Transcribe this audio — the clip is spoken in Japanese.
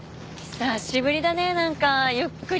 久しぶりだねなんかゆっくり。